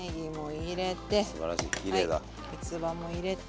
はいみつばも入れて。